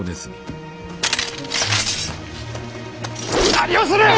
何をする！